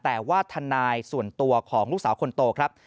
แต่ว่าทนายส่วนตัวของลูกสาวคนโตครับ